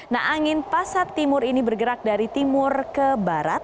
nah angin pasat timur ini bergerak dari timur ke barat